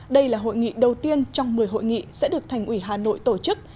đây là hội nghị đầu tiên trong một mươi hội nghị sẽ được thành ủy hà nội tổ chức